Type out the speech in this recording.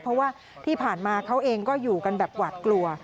เพราะว่าที่ผ่านมาเขาเองก็อยู่กันแบบหวาดกลัว